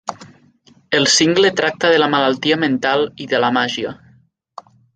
El single tracta de la malaltia mental i de la màgia.